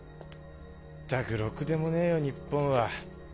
ったくろくでもねえよ日本は。